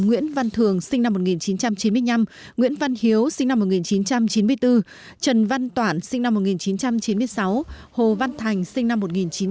nguyễn văn thường sinh năm một nghìn chín trăm chín mươi năm nguyễn văn hiếu sinh năm một nghìn chín trăm chín mươi bốn trần văn toản sinh năm một nghìn chín trăm chín mươi sáu hồ văn thành sinh năm một nghìn chín trăm chín mươi